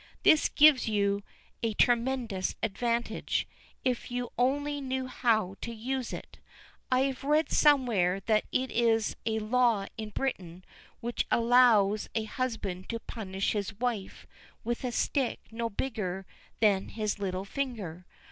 This gives you a tremendous advantage if you only know how to use it. I have read somewhere that there is a law in Britain which allows a husband to punish his wife with a stick no bigger than his little finger.